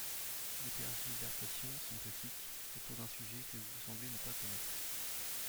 Vos tergiversations sont classiques, autour d’un sujet que vous semblez ne pas connaître.